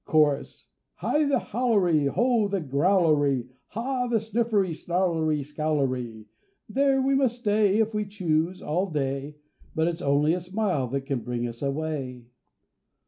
Chorus.—Hi! the Howlery! ho! the Growlery! Ha! the Sniffery, Snarlery, Scowlery! There we may stay, If we choose, all day; But it's only a smile that can bring us away.